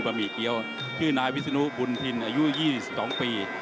หมี่เกี้ยวชื่อนายวิศนุบุญทินอายุ๒๒ปี